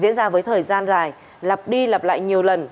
diễn ra với thời gian dài lặp đi lặp lại nhiều lần